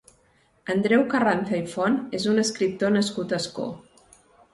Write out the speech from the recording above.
Andreu Carranza i Font és un escriptor nascut a Ascó.